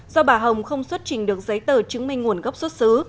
do bà hồng không xuất trình được giấy tờ chứng minh nguồn gốc xuất xứ